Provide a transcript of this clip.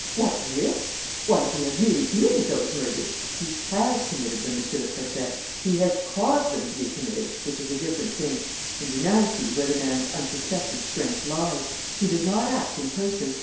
"What risk? Why, if he has really committed those murders " "He has committed them, Monsieur le Préfet. He has caused them to be committed, which is a different thing. And you now see where the man's unsuspected strength lies! He does not act in person.